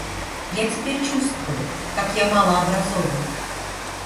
Я теперь чувствую, как я мало образован.